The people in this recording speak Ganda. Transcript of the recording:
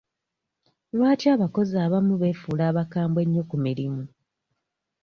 Lwaki abakozi abamu beefuula abakambwe ennyo ku mirimu?